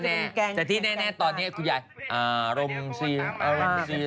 แต่ที่แน่ตอนนี้คุณยายอ่า